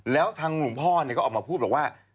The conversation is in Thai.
แล้วทางหลวงพ่อก็ออกมาพูดบอกว่า